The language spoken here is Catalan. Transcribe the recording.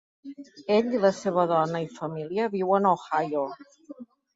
Ell i la seva dona i familia viuen a Ohio.